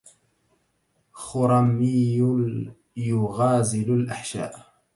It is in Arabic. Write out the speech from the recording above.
خُرَّميٌّ يُغازل الأحشاءَ